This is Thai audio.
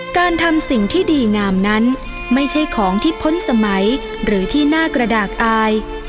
การทำสิ่งที่ดีงามนั้นไม่ใช่ของที่พ้นสมัยหรือที่หน้ากระดาษอาย